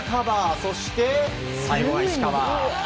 そして、最後は石川。